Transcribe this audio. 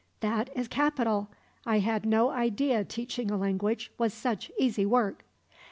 "That is capital. I had no idea teaching a language was such easy work."